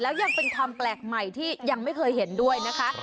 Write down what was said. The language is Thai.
แล้วยังเป็นความแปลกใหม่ที่ยังไม่เคยเห็นด้วยนะคะ